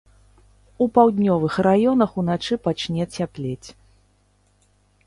У паўднёвых раёнах уначы пачне цяплець.